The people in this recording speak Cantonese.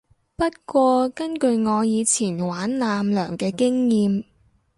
不過我根據我以前玩艦娘嘅經驗